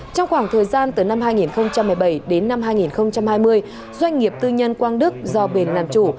trong khoảng thời gian từ năm hai nghìn một mươi bảy đến năm hai nghìn hai mươi doanh nghiệp tư nhân quang đức do bền làm chủ